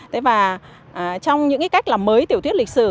thế và trong những cái cách làm mới tiểu thuyết lịch sử